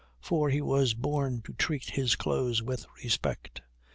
For he was born to treat his clothes with respect.